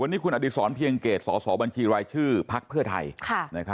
วันนี้คุณอดีศรเพียงเกตสสบัญชีรายชื่อพักเพื่อไทย